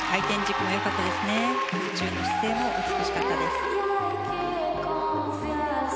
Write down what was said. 空中の姿勢も美しかったです。